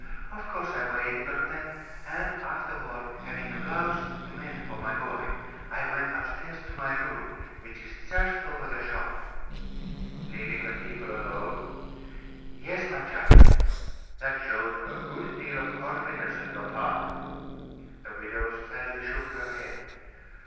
Of course, I waited on them, and afterward, having a blouse to mend for my boy, I went upstairs to my room, which is just over the shop." "Leaving the people alone?" "Yes, my judge." "That showed a great deal of confidence on your part." The widow sadly shook her head.